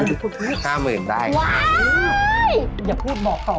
ลองพอมาทอดดูไหมข้าว๑เราต้องปราดุกปลูกอยู่แล้ว